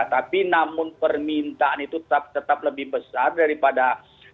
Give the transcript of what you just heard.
tapi namun permintaan itu tetap lebih besar daripada